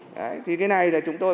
đấy thì cái này là chúng tôi